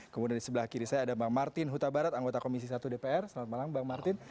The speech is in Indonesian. kemudian di sebelah kiri saya ada bang martin huta barat anggota komisi satu dpr selamat malam bang martin